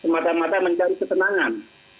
mata mata mencari kesenangan